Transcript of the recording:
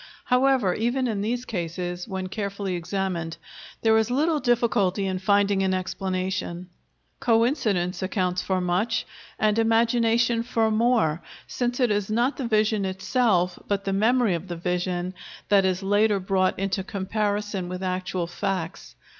However, even in these cases, when carefully examined, there is little difficulty in finding an explanation. Coincidence accounts for much, and imagination for more, since it is not the vision itself, but the memory of the vision, that is later brought into comparison with actual facts.